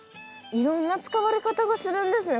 いろんな使われ方がするんですね